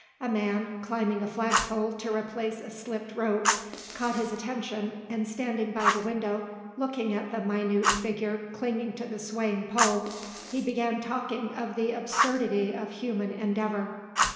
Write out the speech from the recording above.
A man, climbing a flag pole to replace a slipped rope, caught his attention and standing by the window looking at the minute figure clinging to the swaying pole, he began talking of the absurdity of human endeavour.